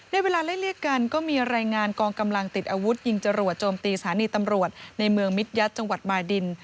เวลาไล่เลี่ยกันก็มีรายงานกองกำลังติดอาวุธยิงจรวดโจมตีสถานีตำรวจในเมืองมิตยัตต์จังหวัดมาดิน